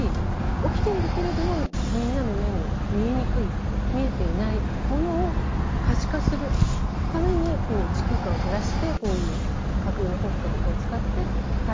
起きているけれどもみんなの目に見えにくい見えていないものを可視化するためにこう時空間をずらしてこういう架空の国家とかを使って書いているんです。